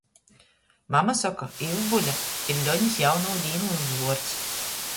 Mama soka — Ivbule ir Ļonis jaunu dīnu uzvuords.